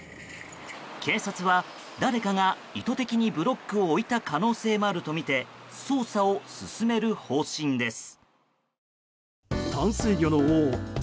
警察は誰かが意図的にブロックを置いた可能性もあるとみて捜査を進める方針です。